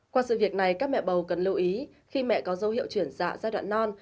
qua sự việc này các mẹ bầu cần lưu ý khi mẹ có dấu hiệu chuyển dạ giai đoạn non